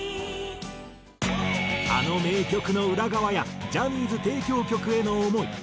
あの名曲の裏側やジャニーズ提供曲への思い。